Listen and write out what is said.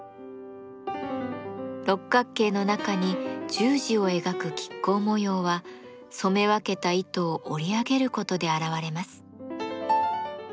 六角形の中に十字を描く亀甲模様は染め分けた糸を織り上げることで現れます。